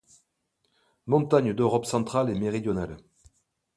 Montagnes d'Europe centrale et méridionale.